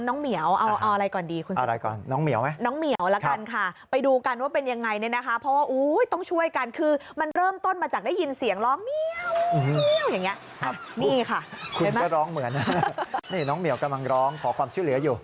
น้องเหงียวกำลังร้องขอความช่วยเหลืออยู่